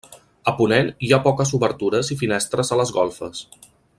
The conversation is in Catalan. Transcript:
A ponent hi ha poques obertures i finestres a les golfes.